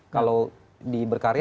kalau di berkarya enam puluh enam